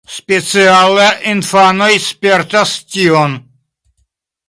Speciale infanoj spertas tion.